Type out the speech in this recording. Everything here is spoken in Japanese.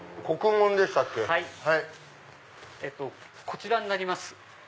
こちらになります。